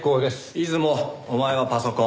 出雲お前はパソコン。